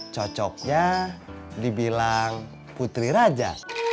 cocoknya dibilang putri raja